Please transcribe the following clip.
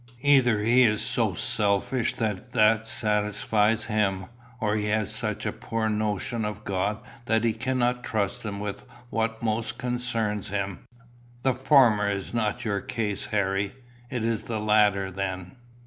Either he is so selfish that that satisfies him, or he has such a poor notion of God that he cannot trust him with what most concerns him. The former is not your case, Harry: is the latter, then?